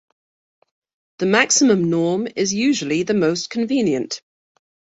The maximum norm is usually the most convenient.